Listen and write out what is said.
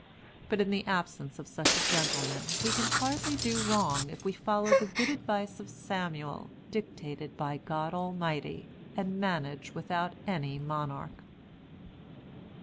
But in the absence of such a gentleman we can hardly do wrong if we follow the good advice of Samuel dictated by God Almighty, and manage without any Monarch.